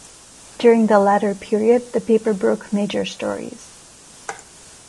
During the latter period, the paper broke major stories.